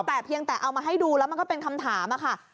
แต่เพียงแต่เอามาให้ดูแล้วมันก็เป็นคำถามค่ะ